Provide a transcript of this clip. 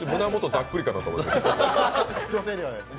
ざっくりかなと思いまして。